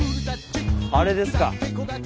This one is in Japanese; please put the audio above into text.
あれですか？